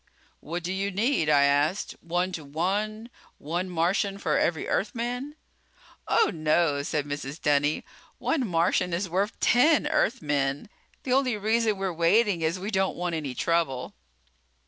'" "What do you need?" I asked. "One to one? One Martian for every Earthman?" "Oh, no," said Mrs. Dunny, "one Martian is worth ten Earthmen. The only reason we're waiting is we don't want any trouble."